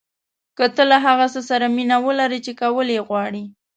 که تۀ له هغه څه سره مینه ولرې چې کول یې غواړې.